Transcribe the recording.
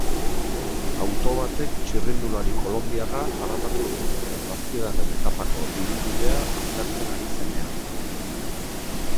Auto batek txirrindulari kolonbiarra harrapatu du, zazpigarren etapako ibilbidea aztertzen ari zenean.